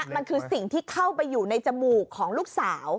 มันคือสิ่งที่เข้าไปอยู่ในจมูกของลูกสาว